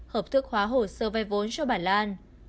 hợp thức khóa hồ sơ vay vốn cho bản lan